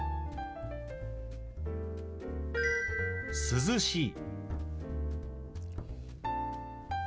「涼しい」。